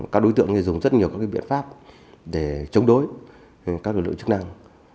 các đối tượng dùng rất nhiều các biện pháp để chống đối các lực lượng chức năng